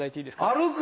歩く！？